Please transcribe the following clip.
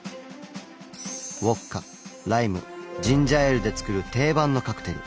ウォッカライムジンジャーエールで作る定番のカクテル。